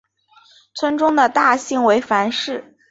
村中的大姓为樊氏。